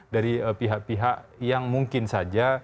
dari pihak pihak yang mungkin saja